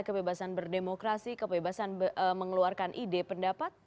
kebebasan berdemokrasi kebebasan mengeluarkan ide pendapat